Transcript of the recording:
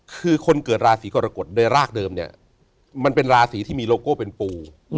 คือคนเกิดราศีกรกฎโดยรากเดิมเนี่ยมันเป็นราศีที่มีโลโก้เป็นปู